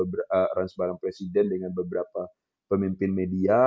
branch bareng presiden dengan beberapa pemimpin media